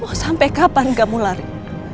oh sampai kapan kamu lari